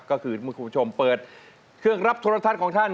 ก็คือเมื่อคุณผู้ชมเปิดเครื่องรับโทรทัศน์ของท่าน